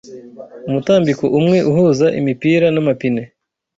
umutambiko umwe uhuza imipira n,amapine